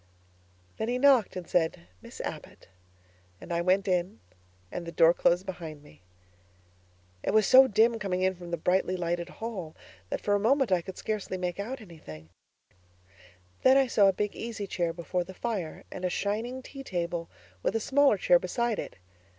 Then he knocked and said, 'Miss Abbott,' and I went in and the door closed behind me. It was so dim coming in from the brightly lighted hall that for a moment I could scarcely make out anything; then I saw a big easy chair before the fire and a shining tea table with a smaller chair beside it.